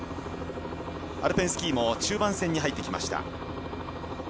アルペンスキーも中盤戦に入ってきました。